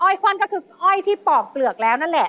ควันก็คืออ้อยที่ปอกเปลือกแล้วนั่นแหละ